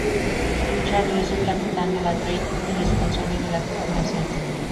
Charlie es el Capitán de la Drake y responsable de la tripulación.